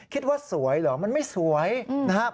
คิดว่าสวยเหรอมันไม่สวยนะครับ